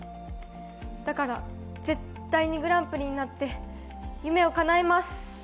だから、絶対にグランプリになって夢をかなえます。